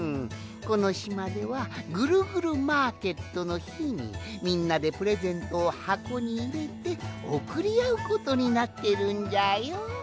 このしまではぐるぐるマーケットのひにみんなでプレゼントをはこにいれておくりあうことになってるんじゃよ。